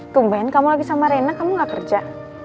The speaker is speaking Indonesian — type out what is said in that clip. tungguin kamu lagi sama rena kamu gak kerja